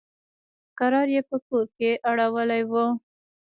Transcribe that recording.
کرار يې په کور کښې اړولي وو.